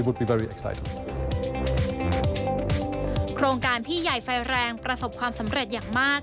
โครงการพี่ใหญ่ไฟแรงประสบความสำเร็จอย่างมาก